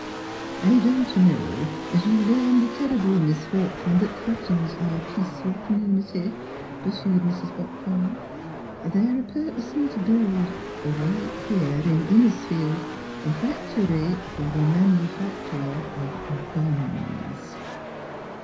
I don't know as you've learned the terrible misfortune that threatens our peaceful com munity," pursued Mrs. Buckthorn: "they're a purposing to build right here in Innisfield a factory for the man u facture of B O M B S